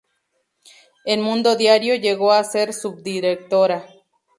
En Mundo Diario llegó a ser subdirectora.